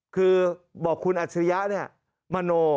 คือบอกคุณอัจฉริยะเนี่ยมโน